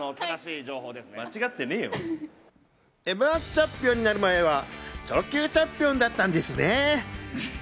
М‐１チャンピオンになる前はチョロＱチャンピオンだったんですねぇ。